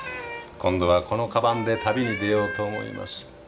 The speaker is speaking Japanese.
今度はこの鞄で旅に出ようと思います。